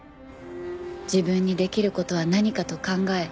自分にできる事は何かと考え